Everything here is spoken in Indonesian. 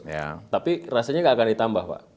investasinya gak akan ditambah pak